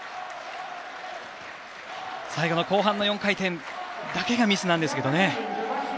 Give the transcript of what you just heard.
最後の後半の４回転だけがミスなんですけどね。